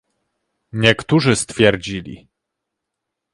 Niektórzy stwierdzili